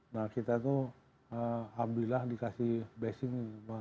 nah kita itu alhamdulillah dikasih blessing